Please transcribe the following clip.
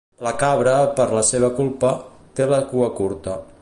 La cabra, per la seva culpa, té la cua curta.